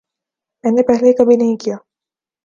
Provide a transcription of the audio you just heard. میں نے پہلے کبھی نہیں کیا